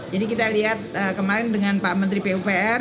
kita lihat kemarin dengan pak menteri pupr